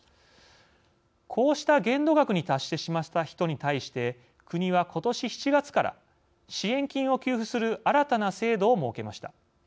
こうした限度額に達してしまった人に対して国はことし７月から支援金を給付する新たな制度を設けました。